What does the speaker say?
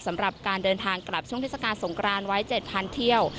สำหรับการเดินทางกลับช่วงเทศกาลสงครานไว้๗๐๐เที่ยว